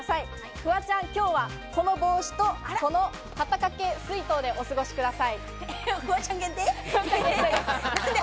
フワちゃん、今日はこの帽子と肩掛け水筒でお過ごしください。